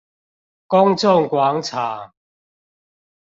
公眾廣場